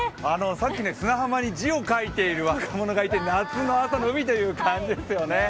さっき、砂浜に字を書いている若者がいて夏の朝の海という感じですよね。